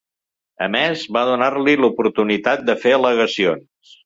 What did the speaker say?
A més, va donar-li l’oportunitat de fer al·legacions.